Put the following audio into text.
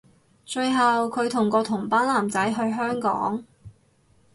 最後距同個同班男仔去香港